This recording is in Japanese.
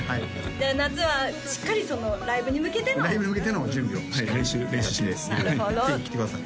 じゃあ夏はしっかりライブに向けてのライブに向けての準備をしっかりぜひ来てください